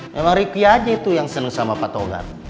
memang ricky aja itu yang seneng sama pak togar